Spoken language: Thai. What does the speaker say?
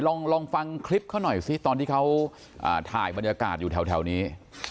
ลองฟังคลิปเขาหน่อยซิตอนที่เขาถ่ายบรรยากาศอยู่แถวนี้